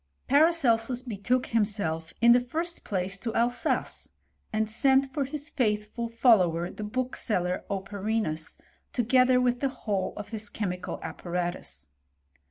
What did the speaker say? Paracelsus betook himself, in the first place, tQfc Alsace, and sent for his faithful follower, the book*^ seller, Operinus, together with the whole of his che % mical apparatus.